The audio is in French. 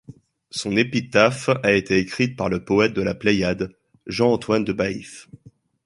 Son épitaphe a été écrite par le poète de la Pléiade, Jean-Antoine de Baïf.